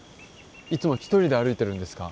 いつも１人で歩いているんですか？